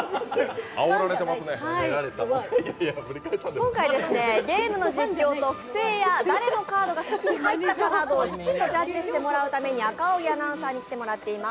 今回ゲームの実況、不正や誰のカードが先に入ったかなどきちんとジャッジしてもらうために赤荻アナウンサーに来てもらっています。